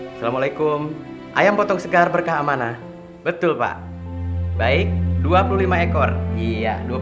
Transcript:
assalamualaikum ayam potong segar berkah amanah betul pak baik dua puluh lima ekor iya